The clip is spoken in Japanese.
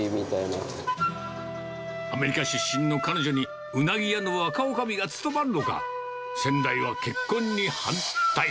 アメリカ出身の彼女に、うなぎ屋の若おかみが務まるのか、先代は結婚に反対。